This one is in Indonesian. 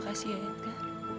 makasih ya edgar